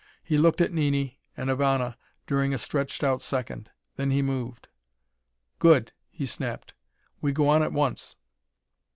He looked at Nini and Ivana during a stretched out second. Then he moved. "Good," he snapped. "We go on at once."